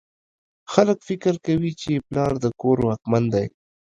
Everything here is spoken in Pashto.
خلک فکر کوي چې پلار د کور واکمن دی